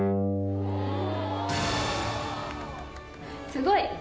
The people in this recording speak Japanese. すごい！